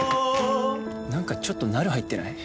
何かちょっとナル入ってない？